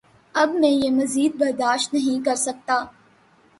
اب میں یہ مزید برداشت نہیں کرسکتا